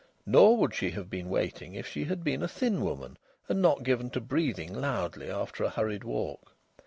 Nor would she have been waiting if she had been a thin woman and not given to breathing loudly after a hurried walk.